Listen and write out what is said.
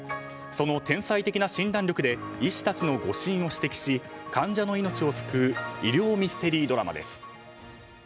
その天才的な診断力で医師たちの誤診を指摘し患者の命を救う医療ミステリードラマです。